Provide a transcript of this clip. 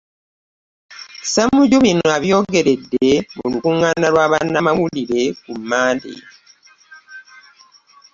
Ssemujju bino abyogeredde mu lukungaana lwa bannamawulire ku mmande